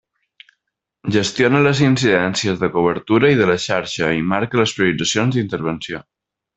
Gestiona les incidències de cobertura i de la xarxa i marca les prioritzacions d'intervenció.